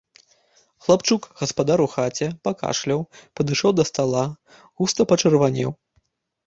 Хлапчук, гаспадар у хаце, пакашляў, падышоў да стала, густа пачырванеў.